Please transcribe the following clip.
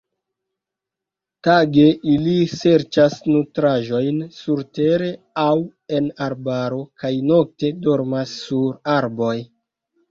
Tage ili serĉas nutraĵojn surtere aŭ en arbaro kaj nokte dormas sur arboj.